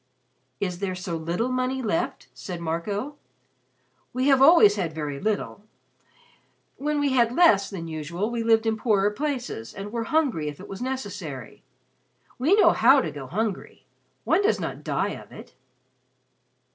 "Is there so little money left?" said Marco. "We have always had very little. When we had less than usual, we lived in poorer places and were hungry if it was necessary. We know how to go hungry. One does not die of it."